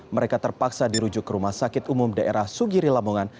mereka terpaksa dirujuk ke rumah sakit umum daerah sugiri lamongan